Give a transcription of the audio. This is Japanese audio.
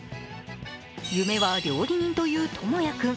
夢は料理人という智弥君。